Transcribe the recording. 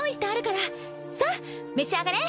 さあ召し上がれ！